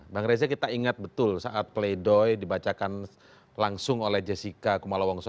bang reza kita ingat betul saat pleidoy dibacakan langsung oleh jessica kumala wongso